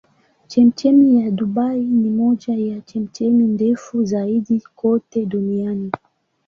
Chemchemi ya Dubai ni moja ya chemchemi ndefu zaidi kote duniani.